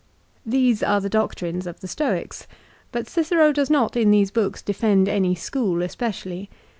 These are the doctrines of the Stoics ; but Cicero does not in these books defend any school especially.